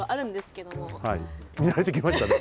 はい見なれてきましたね。